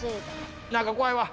何か怖いわ。